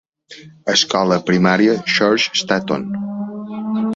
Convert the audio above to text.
Escola primària Churchstanton.